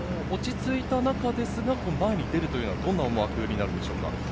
落ち着いた中ですが前に出るというのはどんな思惑になるんですか？